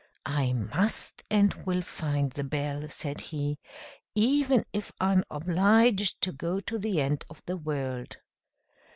"I must and will find the bell," said he, "even if I am obliged to go to the end of the world."